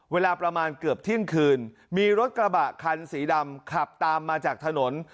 เวลาประมาณเกือบเที่ยงคืนมีรถกระบะคันสีดำขับตามมาจากถนน